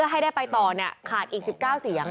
ไม่ได้ไปต่อเนี่ยขาดอีก๑๙เสียง